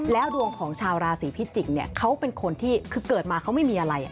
แล้วดวงของชาวราศีพิจิกเขาเป็นคนที่คือเกิดมาเขาไม่มีอะไร